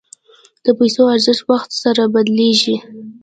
د پیسو ارزښت وخت سره بدلېږي.